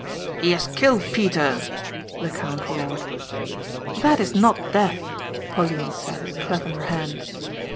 "He has killed Peter!" the count roared. "That is not death," Pauline said clapping her hands.